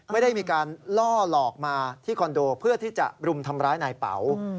ไม่ได้มีการล่อหลอกมาที่คอนโดเพื่อที่จะรุมทำร้ายนายเป๋า